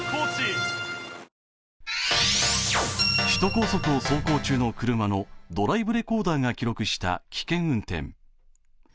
首都高速を走行中のドライブレコーダーが記録した危険運転。